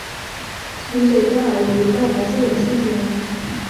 从嘴到耳有一道白色的线条。